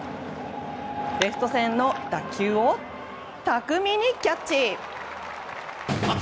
レフト線の打球を巧みにキャッチ。